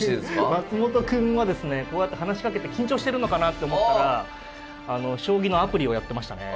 松本くんはですねこうやって話しかけて緊張してるのかなって思ったら将棋のアプリをやってましたね。